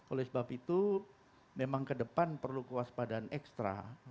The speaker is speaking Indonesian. oleh sebab itu memang kedepan perlu kewaspadaan ekstra